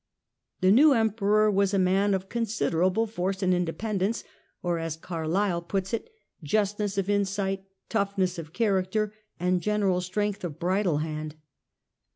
The new" Emperor was a man of considerable force |^"'^°m;' and independence, or, as Carlyle puts it :" Justness of insight, toughness of character and general strength of bridle hand".